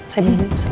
saya minum saja